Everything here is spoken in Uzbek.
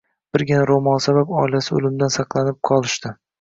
Birgina roʻmoli sabab oilasi oʻlimdan saqlanib qolishdi